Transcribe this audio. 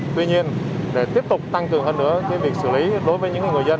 tuy nhiên để tiếp tục tăng cường hơn nữa việc xử lý đối với những người dân